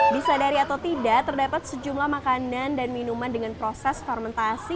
disadari atau tidak terdapat sejumlah makanan dan minuman dengan proses fermentasi